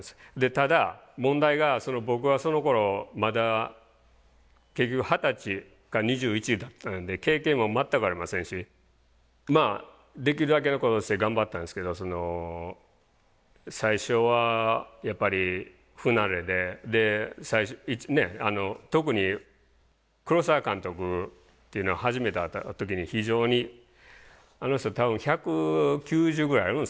ただ問題が僕はそのころまだ結局二十歳か２１だったので経験も全くありませんしまあできるだけのことして頑張ったんですけど最初はやっぱり不慣れで特に黒澤監督っていうのは初めて会った時に非常にあの人多分１９０ぐらいあるんですかね。